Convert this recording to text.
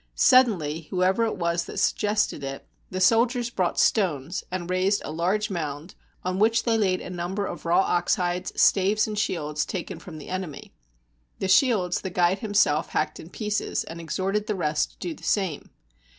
Suddenly, whoever it was that suggested it, the soldiers brought stones, and raised a large mound, on which they laid a number of raw ox hides, staves, and shields taken from the enemy. The shields the guide himself hacked in pieces, and ex horted the rest to do the same.